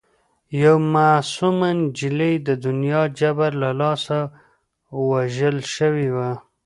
یوه معصومه نجلۍ د دنیا د جبر له لاسه وژل شوې وه